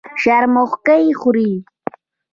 شرموښکۍ خوري.